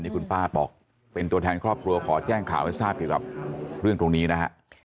กับเรื่องตรงนี้นะฮะ